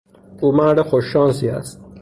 او مرد خوششانسی است.